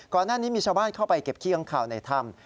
ก่อนหน้านี้มีชาวบ้านเข้าไปเก็บขี้ค้างข่าวในถ้ำ